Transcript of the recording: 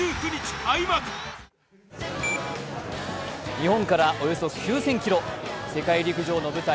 日本からおよそ９０００ｋｍ世界陸上の舞台。